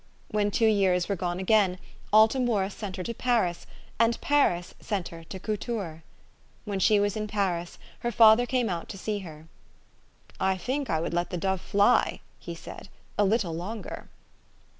When two years were gone again, Alt a Mura sent her to Paris ; and Paris sent her to Couture. When she was in Paris, her father came out to see her. " I think I would let the dove fly/' he said, " a little longer."